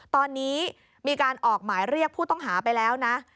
ตอนนี้มีการออกหมายเรียกผู้ต้องหาไปแล้วนะ